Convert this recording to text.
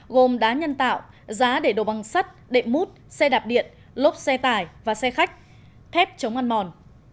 gồm đá nhân tạo giá để đồ băng sắt đệm mút xe đạp điện lốp xe tải và xe khách thép chống ăn mòn